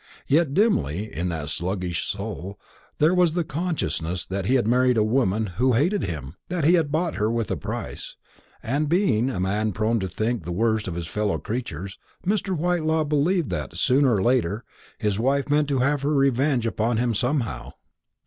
Yet dimly, in that sluggish soul, there was the consciousness that he had married a woman who hated him, that he had bought her with a price; and, being a man prone to think the worst of his fellow creatures, Mr. Whitelaw believed that, sooner or later, his wife meant to have her revenge upon him somehow.